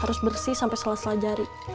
harus bersih sampe selesela jari